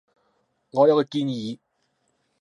我有個建議